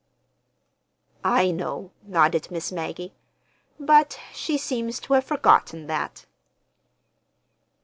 "I know," nodded Miss Maggie. "But—she seems to have forgotten that."